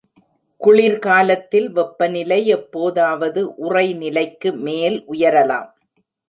குளிர்காலத்தில் வெப்பநிலை எப்போதாவது உறைநிலைக்கு மேல் உயரலாம்.